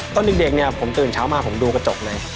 ตอนเด็กผมตื่นเช้ามาดูกระจกใน